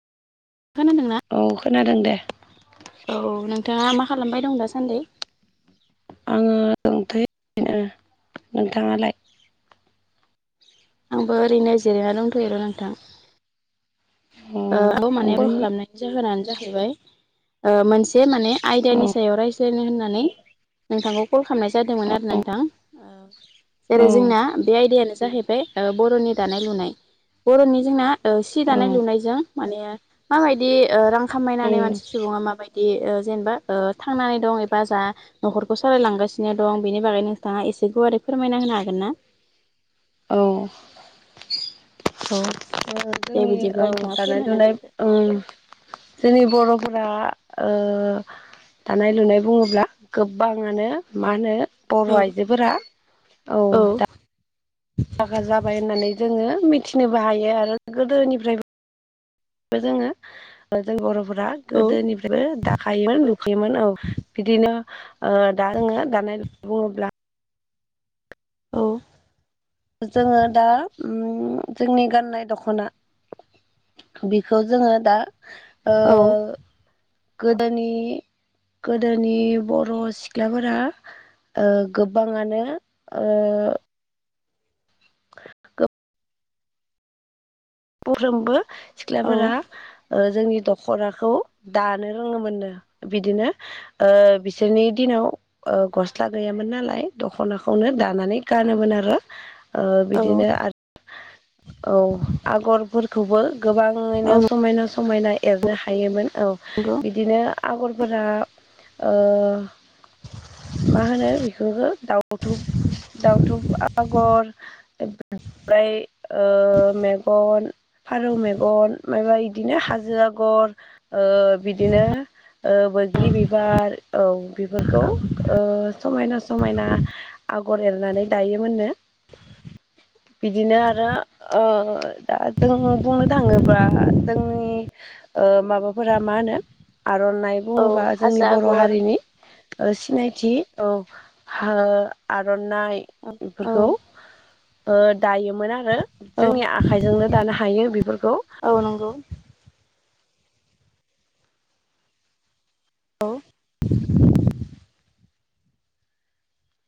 खोनादोंना औ खोनादों दे। औ नोंथाङा मा खालामबाय दं दासान्दि? आङो दोंथैयो नोंथाङालाय? आंबो ओरैनो जिरायना दंथ'योर' नोंथां। औ माने कल नोंथां खालामनायनि जाहोनानो जाहैबाय ओ मोनसे एसे माने औ आयडानि सायाव रायज्लायनो होननानै नोंथांखौ कल खालामनाय जादोंमोन आरो औ नोंथां औ जेरै जोंना बे आयदायानो जाहैबाय ओ बर'नि दानाय लुनाय बर'नि जोंना ओ सि दानाय औ लुनाय मा बायदि ओ रां खामायनानै मानसि सुबुंङा मायदि ओ जेनेबा ओ थांना दं एबा जा न'खरखौ सालायलांगासिनो दं बेनि बागै नोंथाङा एसे गुवारै फोरमायना होनो हागोन ना? औ। औ। दे जोंनि औ बिदिब्ला नोंथाङा दानाय लुनाय फोरमायना औ। जोंनि बर'फोरा ओ दानाय लुनाय बुङोब्ला गोबाङानो मा होनो? बर' होदो। आइजोफोरा औ दा बागा जाबाय होननानै जोङो मिथिनोबो हायो आरो गोदोनिफ्रायबो बोजोंङो जोङो जों बर' फोरा औ गोदोनिफ्रायबो दाखायोमोन लुखैयोमोन औ बिदिनो ओ दा जोङो दानाय बुङोब्ला औ जोङो दा ओम जोंनि गाननाय दख'ना बिखौ जोङो दा ओ औ गोदोनि गोदोनि बर' सिख्लाफोरा ओ गोबाङानो ओ गोब बरजोंबो औ सिख्लाफोरा ओ जोंनि दख'नाखौ दानो रोङोमोननो। बिदिनो ओ बिसोरनि दिनाव ओ गस्ला गैयामोन नालाय दख'नाखौनो दानानै गानोमोन आरो औ बिदिनो आरो औ आगरफोरखौबो औ गोबाङैनो समायना समायना एरनो हायोमोन। औ नंगौ। बिदिनो आगरफोरा ओ मा होनो ओ बेखौ दाउथुब दाउथुब आगर फाय ओ नेब गन फारौ मेगन मायबा इदिनो हाजो आगर ओ बिदिनो ओ बो ग्रि बिबार औ बेफोरखौ ओ समायना समायना अगर आगर एरनानै दायोमोननो बिदिनो आरो ओ दा जों बुंनो थाङोब्ला जोंनि ओ माबाफोरा मा होनो आर'नाइ औ बुङोबा जोंनि हाजो बर' आगर हारिनि सिनायथि औ हा ओ आर' नाय औ औ इफोरखौ दायोमोन आरो औ जोंनि आ खाइजोंनो दानो हायो बेफोरखौ। औ नंगौ औ